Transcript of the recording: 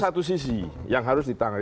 satu sisi yang harus ditangani